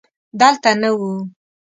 دلته نه و.